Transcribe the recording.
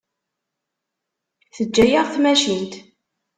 Teǧǧa-yaɣ tmacint.